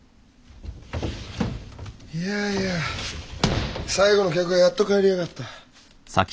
いやいや最後の客がやっと帰りやがった。